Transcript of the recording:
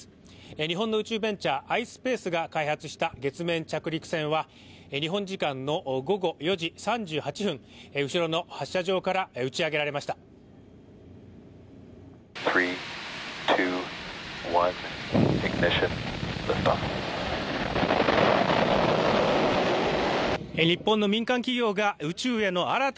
日本の宇宙ベンチャー・ｉｓｐａｃｅが開発した月面着陸船は日本時間の午後４時３８分、後ろの発射場から打ち上げられました。